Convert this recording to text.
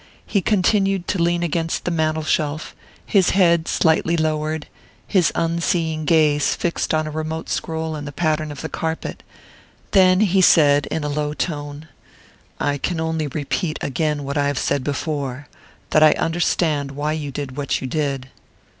He continued to lean against the mantel shelf, his head slightly lowered, his unseeing gaze fixed on a remote scroll in the pattern of the carpet; then he said in a low tone: "I can only repeat again what I have said before that I understand why you did what you did."